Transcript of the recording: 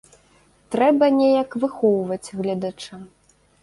Трэба неяк выхоўваць гледача.